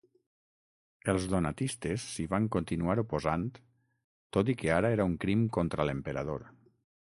Els donatistes s'hi van continuar oposant tot i que ara era un crim contra l'emperador.